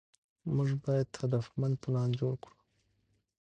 موږ باید هدفمند پلان جوړ کړو.